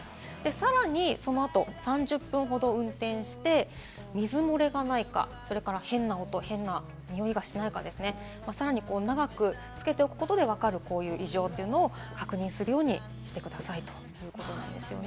さらにそのあと３０分ほど運転して、水漏れがないか、それから変な音、変なにおいがしないかさらに長くつけておくことでわかる異常を確認するようにしてくださいということです。